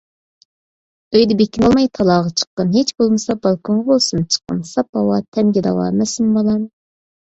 ئۆيدە بېكىنىۋالماي، تالاغا چىققىن. ھىچ بولمىسا بالكۇنغا بولسىمۇ چىققىن، ساپ ھاۋا تەنگە داۋا ئەمەسمۇ بالام.